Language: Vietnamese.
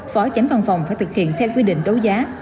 phó tránh văn phòng phải thực hiện theo quy định đấu giá